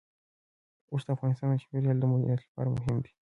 اوښ د افغانستان د چاپیریال د مدیریت لپاره مهم دي.